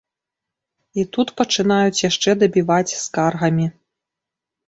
І тут пачынаюць яшчэ дабіваць скаргамі.